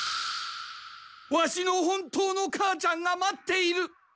ワシの本当の母ちゃんが待っている！